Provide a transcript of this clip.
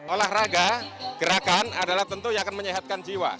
olahraga gerakan adalah tentu yang akan menyehatkan jiwa